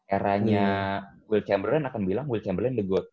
eranya will chamberlain akan bilang will chamberlain the goat